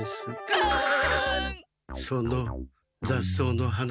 ガン！